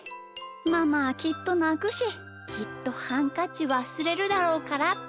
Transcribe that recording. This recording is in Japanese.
ママはきっとなくしきっとハンカチわすれるだろうからって。